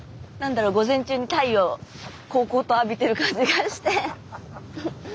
午前中に太陽こうこうと浴びてる感じがして。